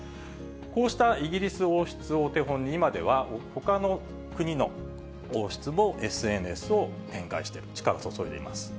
こうしたイギリス王室をお手本に、今ではほかの国の王室もＳＮＳを展開している、力を注いでいます。